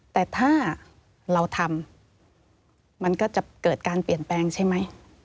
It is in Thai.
แต่ถ้าเราทำมันก็จะเกิดการเปลี่ยนแปลงใช่ไหม